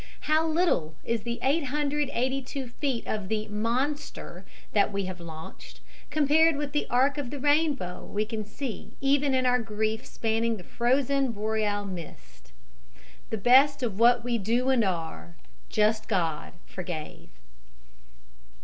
How little is the 882 feet of the "monster" that we launched compared with the arc of the rainbow we can see even in our grief spanning the frozen boreal mist! "The best of what we do and are, Just God, forgive!"